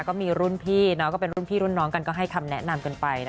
ก็มีรุ่นพี่ก็เป็นรุ่นพี่รุ่นน้องกันก็ให้คำแนะนำกันไป